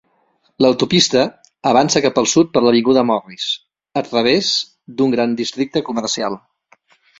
L'autopista avança cap al sud per l'avinguda Morris a través d'un gran districte comercial.